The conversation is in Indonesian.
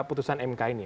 putusan mk ini